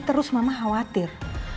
terus mama khawatir